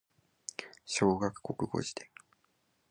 小学国語辞典